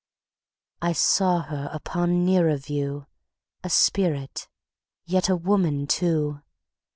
I saw her upon nearer view, A Spirit, yet a Woman too!